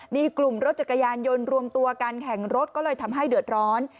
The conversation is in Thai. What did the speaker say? มีกลุ่มรถจักรยานยนต์รวมตัวกันแข่งรถก็เลยทำให้เดือดร้อน